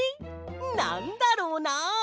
なんだろうな。